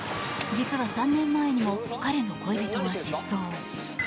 実は３年前にも彼の恋人が失踪。